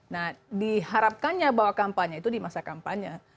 nah diharapkannya bahwa kampanye itu di masa kampanye